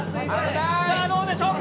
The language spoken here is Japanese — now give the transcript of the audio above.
さあ、どうでしょうか？